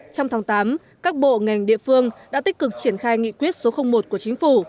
trong tháng tám các bộ ngành địa phương đã tích cực triển khai nghị quyết số một của chính phủ